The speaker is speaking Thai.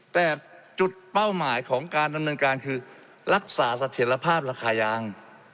แต่จุดเป้าหมายของการดำเนินการคือรักษาเสถียรภาพราคายาง